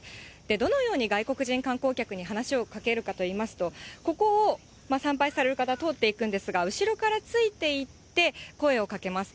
どのように外国人観光客に話をかけるかといいますと、ここを参拝される方、通っていくんですが、後ろからついていって声をかけます。